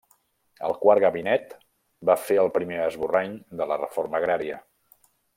El Quart Gabinet va fer el primer esborrany de la reforma agrària.